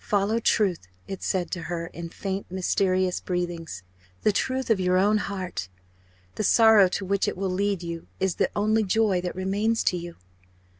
"Follow truth!" it said to her in faint mysterious breathings "the truth of your own heart. The sorrow to which it will lead you is the only joy that remains to you."